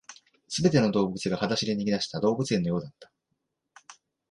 全ての動物が裸足で逃げ出した動物園のようだった